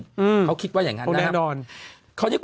อืมเขาคิดว่าอย่างนั้นนะครับโคะแน่นอน